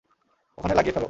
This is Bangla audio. ওখানে লাগিয়ে ফেল।